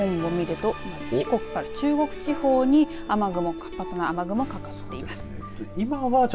そして西日本を見ると四国から中国地方に雨雲活発な雨雲かかっています。